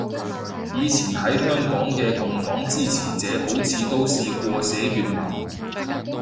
以前喺香港嘅共黨支持者好似都試過寫粵文